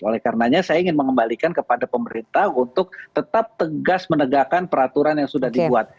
oleh karenanya saya ingin mengembalikan kepada pemerintah untuk tetap tegas menegakkan peraturan yang sudah dibuat